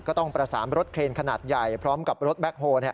ก็ต้องประสานรถเครนขนาดใหญ่พร้อมกับรถแคคโฮล